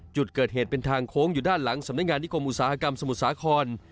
จุดเกิดเหตุเป็นทางโค้งอยู่ด้านหลังสำนักงานนิคมอุตสาหกรรมสมุทรสาคร